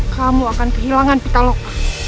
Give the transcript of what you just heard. kamu akan kehilangan pitalok